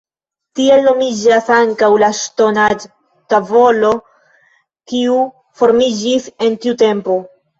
Tiel nomiĝas ankaŭ la ŝtonaĵ-tavolo, kiu formiĝis en tiu tempo.